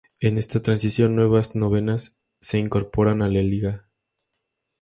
En esta transición nuevas novenas se incorporaron a la liga.